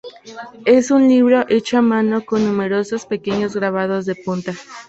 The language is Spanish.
Es un libro hecho a mano con numerosas pequeños grabados de punta.